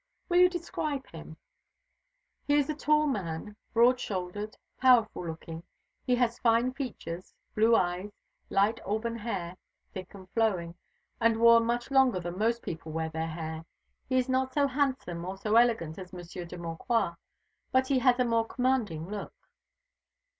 "Will you describe him?" "He is a tall man, broad shouldered, powerful looking. He has fine features, blue eyes, light auburn hair, thick and flowing, and worn much longer than most people wear their hair. He is not so handsome or so elegant as Monsieur de Maucroix, but he has a more commanding look."